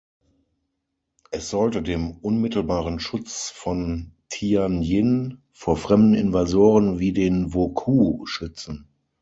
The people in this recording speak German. Es sollte dem unmittelbaren Schutz von Tianjin vor fremden Invasoren, wie den Wokou schützen.